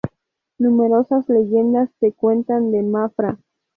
Numerosas leyendas se cuentan de Mafra.